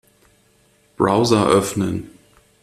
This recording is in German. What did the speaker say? Browser öffnen.